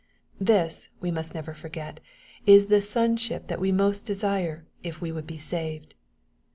This, we must never foi^et, is the sonship that we must desire, if wc would be saved.